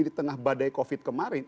di tengah badai covid kemarin